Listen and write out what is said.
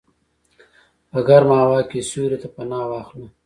په ګرمه هوا کې سیوري ته پناه واخله.